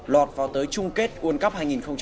lọt vào tới chung kết world cup hai nghìn một mươi tám